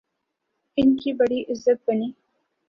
ان کی بڑی عزت بنی۔